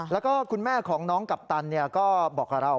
แล้วก็คุณแม่ของน้องกัปตันก็บอกกับเรา